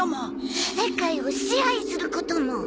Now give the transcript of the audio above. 世界を支配することも。